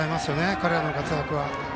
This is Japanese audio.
彼らの活躍は。